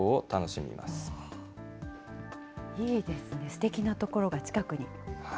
すてきな所が近くに。